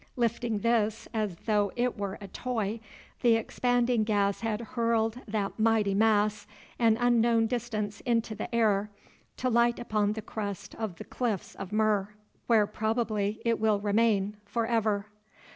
Lifting this as though it were a toy, the expanding gas had hurled that mighty mass an unknown distance into the air, to light upon the crest of the cliffs of Mur, where probably it will remain forever.